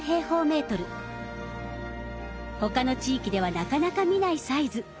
他の地域ではなかなか見ないサイズ。